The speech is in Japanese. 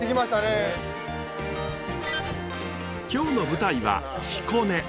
今日の舞台は彦根。